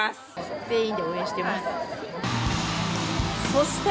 そして